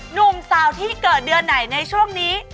หนุ่มสาวที่เกิดเดือนไหนในช่วงนี้